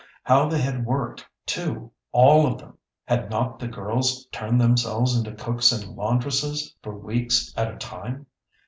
How they had worked, too, all of them! Had not the girls turned themselves into cooks and laundresses for weeks at a time!